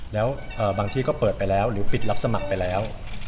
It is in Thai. แล้วบางที่ก็เปิดไปแล้วหรือปิดรับสมัครไปแล้ว